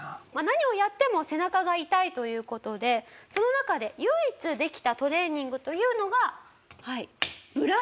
何をやっても背中が痛いという事でその中で唯一できたトレーニングというのが。